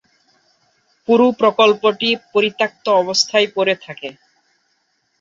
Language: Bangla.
পুরো প্রকল্পটি পরিত্যক্ত অবস্থায় পড়ে থাকে।